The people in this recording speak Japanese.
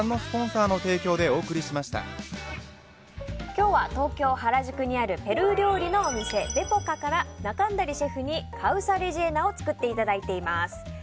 今日は東京・原宿にあるペルー料理のお店ベポカから、仲村渠シェフにカウサ・レジェーナを作っていただいています。